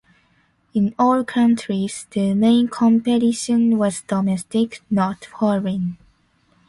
In all countries the main competition was domestic, not foreign.